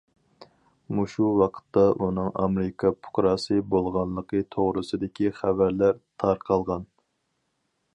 مۇشۇ ۋاقىتتا ئۇنىڭ ئامېرىكا پۇقراسى بولغانلىقى توغرىسىدىكى خەۋەرلەر تارقالغان.